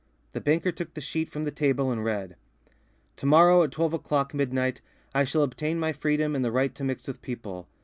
The banker took the sheet from the table and read: "To morrow at twelve o'clock midnight, I shall obtain my freedom and the right to mix with people.